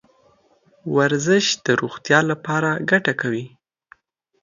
ورزش د روغتیا لپاره ګټه کوي .